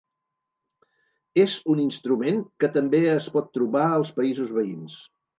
És un instrument que també es pot trobar als països veïns.